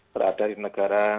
berada di negara